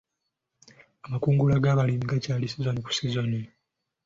Amakungula g'abalimi gakyuka sizoni ku sizoni.